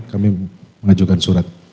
kami mengajukan surat